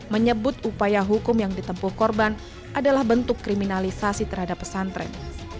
menyebut upaya hukum yang ditempuh korban adalah bentuk kriminalisasi terhadap pesantren